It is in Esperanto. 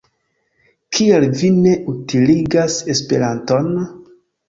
Kial vi ne utiligas Esperanton?